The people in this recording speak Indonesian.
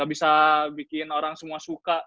bisa bikin orang semua suka